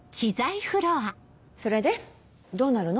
それでどうなるの？